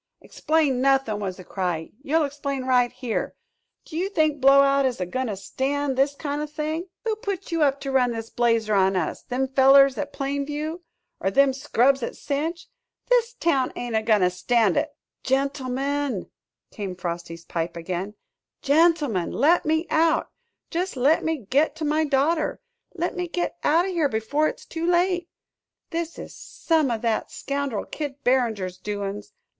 "Explain nothin'!" was the cry; "you'll explain right here! Do you think Blowout is a goin' to stand this kind o' thing?" "Who put you up to run this blazer on us? Them fellers at Plain View? Er them scrubs at Cinche? This town ain't a goin' to stand it!" "Gentlemen," came Frosty's pipe again, "gentlemen, let me out jest let me git to my daughter let me git out o' here before it's too late! This is some o' that scoundrel Kid Barringer's doin's.